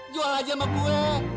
jual aja sama gue